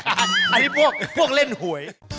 อันนี้พวกเล่นหวย